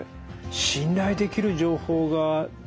信頼できる情報が１０％